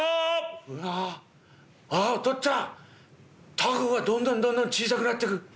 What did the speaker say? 凧がどんどんどんどん小さくなってく。